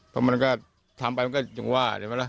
เพราะมันก็ทำไปมันก็อย่างว่า